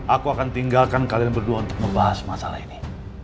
aku akan tinggalkan kalian berdua untuk membahas masalah ini